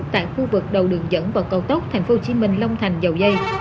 tại khu vực đầu đường dẫn vào cao tốc tp hcm long thành dầu dây